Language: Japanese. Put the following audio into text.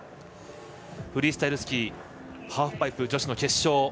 フリースタイルスキーハーフパイプ女子の決勝